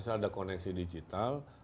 asal ada koneksi digital